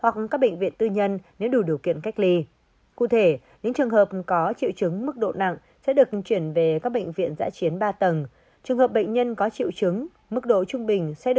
hoặc bệnh viện tư nhân đủ điều kiện nếu người nhập cảnh có nhu cầu